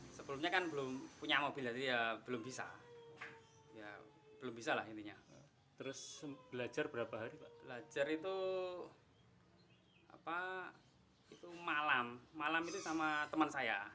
itu malam malam itu sama teman saya